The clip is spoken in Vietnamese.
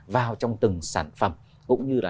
vào trong từng sản phẩm cũng như là